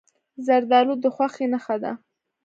زردالو د خوښۍ نښه ده.